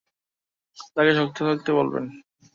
তাকে শক্ত থাকতে বলবেন।